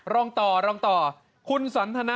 รองต่อรองต่อ